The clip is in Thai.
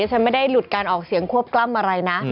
ฉันไม่ได้หลุดการออกเสียงควบกล้ำอะไรนะ